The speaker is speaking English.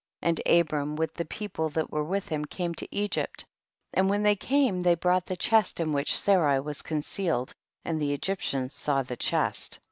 9. And Abram with the people that were with him came to Egypt, and when they came they brought the chest in which Sarai was con cealed, and the Egyptians saw the chest.